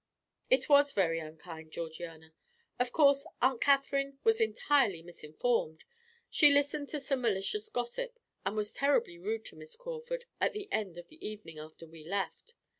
"It was very unkind, Georgiana. Of course Aunt Catherine was entirely misinformed; she listened to some malicious gossip, and was terribly rude to Miss Crawford at the end of the evening after we left.